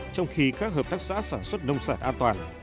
trong khi các hợp tác xã sản xuất nông sản an toàn